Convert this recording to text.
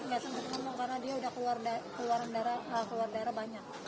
nggak sempat ngomong karena dia udah keluar darah banyak